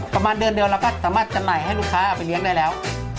ประมาณเดือนเดียวเราก็สามารถจำหน่ายให้ลูกค้าเอาไปเลี้ยงได้แล้ว